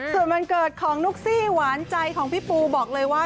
ส่วนวันเกิดของนุ๊กซี่หวานใจของพี่ปูบอกเลยว่า